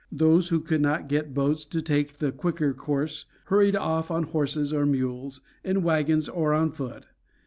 Those who could not get boats to take the quicker course hurried off on horses or mules, in wagons or on foot.